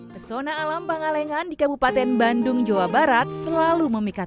pesona alam pangalengan di kabupaten bandung jawa barat selalu memikat